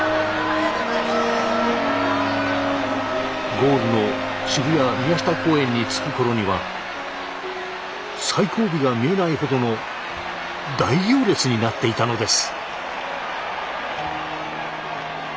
ゴールの渋谷・宮下公園に着く頃には最後尾が見えないほどの大行列になっていたのです。